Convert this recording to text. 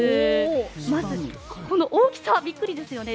まず、この大きさびっくりですよね。